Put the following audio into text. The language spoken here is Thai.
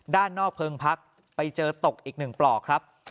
ด้านนอกเพลิงพักไปเจอตกอีก๑ปลอกครับ